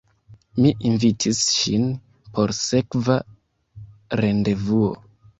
Mi invitis ŝin por sekva rendevuo.